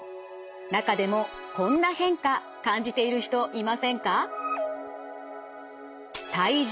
中でもこんな変化感じている人いませんか？